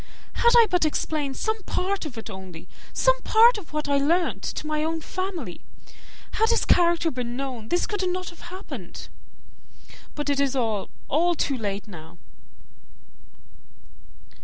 Had I but explained some part of it only some part of what I learnt, to my own family! Had his character been known, this could not have happened. But it is all, all too late now."